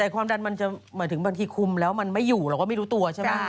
แต่ความดันมันจะหมายถึงบางทีคุมแล้วมันไม่อยู่เราก็ไม่รู้ตัวใช่ไหม